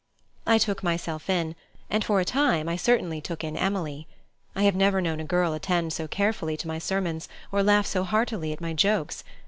I took myself in, and for a time I certainly took in Emily. I have never known a girl attend so carefully to my sermons, or laugh so heartily at my jokes.